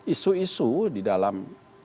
isu isu di dalam